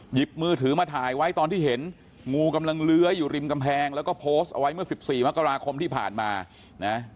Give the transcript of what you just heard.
หยิบมือถือมาถ่ายไว้ตอนที่เห็นงูกำลังเลื้อยอยู่ริมกำแพงแล้วก็โพสต์เอาไว้เมื่อ๑๔มกราคมที่ผ่านมานะ